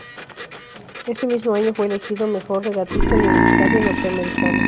Ese mismo año fue elegido mejor regatista universitario norteamericano.